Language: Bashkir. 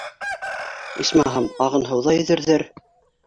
Исмаһам, ағын һыуҙа йөҙөрҙәр.